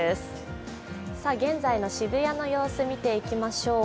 現在の渋谷の様子、見ていきましょう。